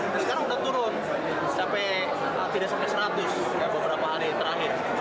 dan sekarang sudah turun sampai tidak sampai seratus beberapa hari terakhir